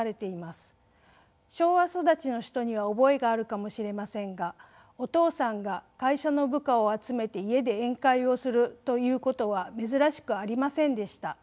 昭和育ちの人には覚えがあるかもしれませんがお父さんが会社の部下を集めて家で宴会をするということは珍しくありませんでした。